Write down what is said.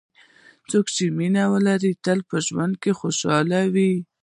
څوک چې مینه لري، تل په ژوند خوشحال وي.